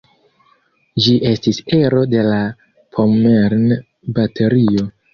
Ĝi estis ero de la "Pommern-Baterio".